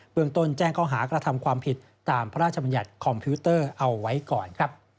เมืองต้นแจ้งเขาหากระทำความผิดตามพระราชบัญญัติคอมพิวเตอร์เอาไว้ก่อนครับ